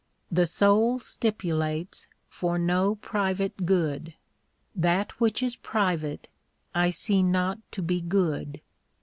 The soul stipulates for no private good. That which is private I see not to be good.